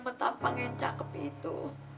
pertampang yang cakep itu